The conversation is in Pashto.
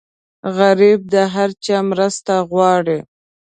غریب د هر چا مرسته غواړي